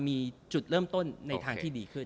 มีจุดเริ่มต้นในทางที่ดีขึ้น